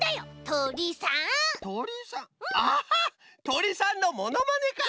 とりさんのものまねか。